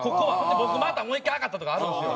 僕またもう１回上がったとかあるんですよ。